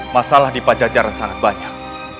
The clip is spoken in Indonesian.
masalah di pajajaran sangat banyak